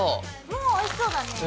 もうおいしそうだね。